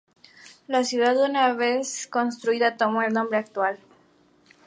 La ciudad, una vez reconstruida, tomó el nombre actual.